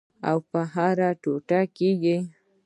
او په هره ټوټه کې یې